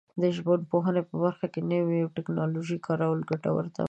د ژبپوهنې په برخه کې د نویو ټکنالوژیو کارول ګټور تمامېدای شي.